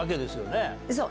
そう。